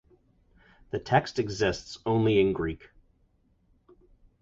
The text exists only in Greek.